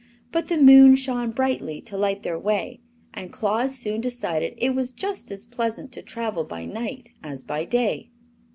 But the moon shone brightly to light their way, and Claus soon decided it was just as pleasant to travel by night as by day.